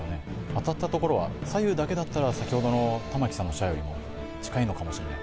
当たったところは左右だけだったら先ほどの玉木さんの射よりも近いのかもしれない